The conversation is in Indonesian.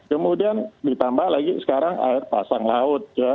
kemudian ditambah lagi sekarang air pasang laut ya